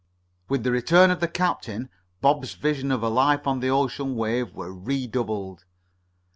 With the return of the captain, Bob's visions of a life on the ocean wave were redoubled.